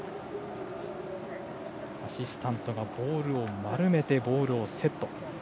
アシスタントがボールをまとめてボールをセット。